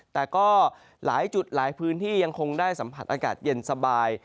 แต่ก็หลายจุดหลายพื้นที่ยังคงได้สัมผัสอากาศเย็นสบาย